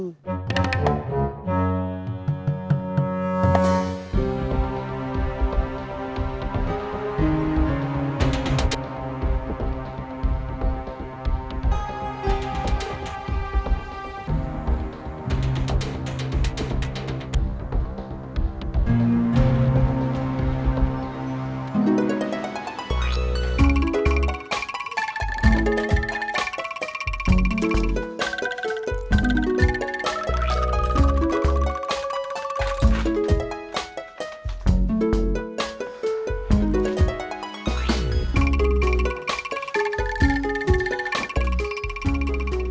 terus mampu ke mogok